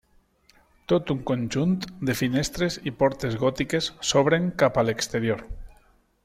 Tot un conjunt de finestres i portes gòtiques s'obren cap a l'exterior.